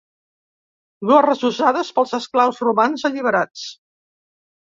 Gorres usades pels esclaus romans alliberats.